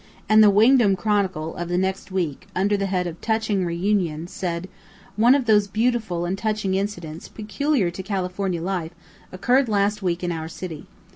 And the WINGDAM CHRONICLE, of the next week, under the head of "Touching Reunion," said: "One of those beautiful and touching incidents, peculiar to California life, occurred last week in our city.